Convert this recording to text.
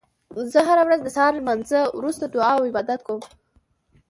زه هره ورځ د سهار لمانځه وروسته دعا او عبادت کوم